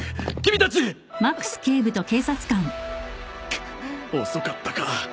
くっ遅かったか。